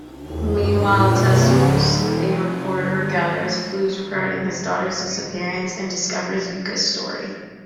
Meanwhile, Tetsuzo, a reporter, gathers clues regarding his daughters' disappearances and discovers Yuka's story.